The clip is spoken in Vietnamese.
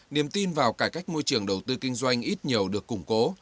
niềm tin vào cải cách môi trường đầu tư kinh doanh ít nhiều được củng cố